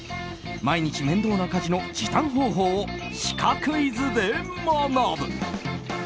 毎日面倒な家事の時短方法をシカクイズで学ぶ。